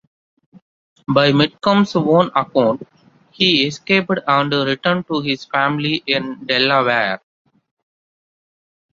By Mitchum's own account, he escaped and returned to his family in Delaware.